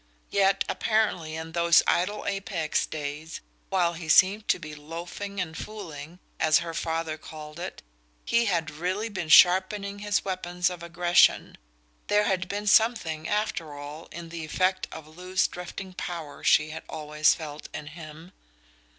Yet apparently in those idle Apex days, while he seemed to be "loafing and fooling," as her father called it, he had really been sharpening his weapons of aggression; there had been something, after all, in the effect of loose drifting power she had always felt in him.